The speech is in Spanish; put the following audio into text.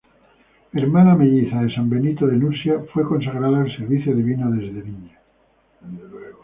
Hermana melliza de san Benito de Nursia, fue consagrada al servicio divino desde niña.